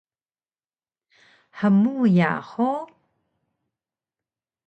Hmuya hug?